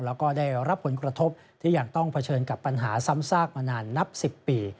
แล้วก็ได้รับผลกระทบที่ยังต้องเผชิญกับปัญหาซ้ำซากมานานนับ๑๐ปี